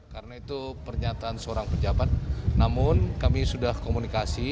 karena itu pernyataan seorang pejabat namun kami sudah komunikasi